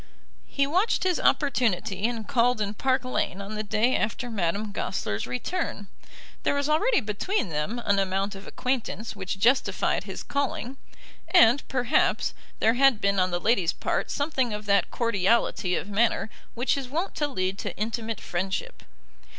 He watched his opportunity, and called in Park Lane on the day after Madame Goesler's return. There was already between them an amount of acquaintance which justified his calling, and, perhaps, there had been on the lady's part something of that cordiality of manner which is wont to lead to intimate friendship.